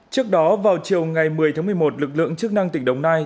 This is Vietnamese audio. trước đó vào chiều ngày một mươi tháng một mươi một lực lượng chức năng tỉnh đồng nai